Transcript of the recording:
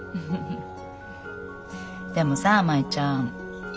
でもさ舞ちゃん。